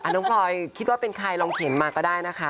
น้องพลอยคิดว่าเป็นใครลองเข็นมาก็ได้นะคะ